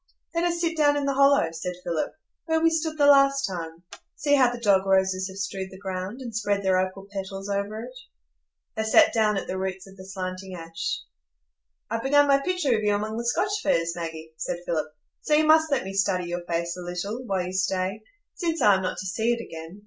"Let us sit down in the hollow," said Philip, "where we stood the last time. See how the dog roses have strewed the ground, and spread their opal petals over it." They sat down at the roots of the slanting ash. "I've begun my picture of you among the Scotch firs, Maggie," said Philip, "so you must let me study your face a little, while you stay,—since I am not to see it again.